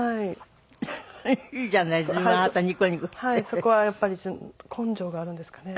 そこはやっぱり根性があるんですかね。